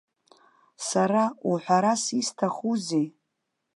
Сара уҳәарас исҭахузеи.